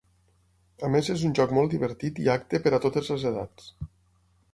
A més és un joc molt divertit i acte per a totes les edats.